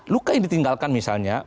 luka yang ditinggalkan misalnya